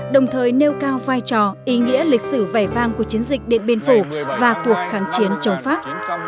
đồng thời nêu cao vai trò ý nghĩa lịch sử vẻ vang của chiến dịch điện biên phủ và cuộc kháng chiến chống pháp